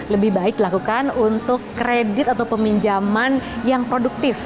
lebih baik dilakukan untuk kredit atau peminjaman yang produktif